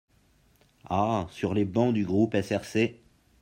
Ah sur les bancs du groupe SRC.